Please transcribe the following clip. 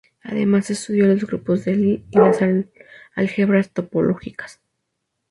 Además estudió los grupos de Lie y las álgebras topológicas.